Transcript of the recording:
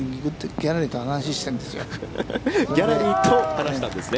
ギャラリーと話したんでしたね。